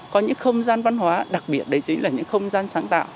có những không gian văn hóa đặc biệt đấy chính là những không gian sáng tạo